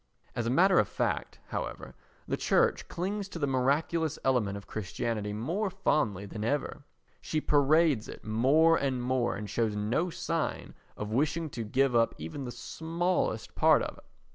As a matter of fact, however, the Church clings to the miraculous element of Christianity more fondly than ever; she parades it more and more, and shows no sign of wishing to give up even the smallest part of it.